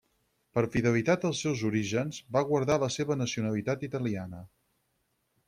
Per fidelitat als seus orígens, va guardar la seva nacionalitat italiana.